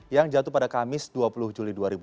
yang jatuh pada kamis dua puluh juli dua ribu dua puluh